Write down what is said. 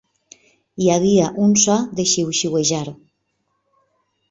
Hi havia un so de xiuxiuejar.